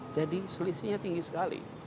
jadi selisihnya tinggi sekali